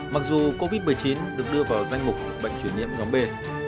mặc dù covid một mươi chín được đưa vào danh mục bệnh truyền nhiễm ngón bê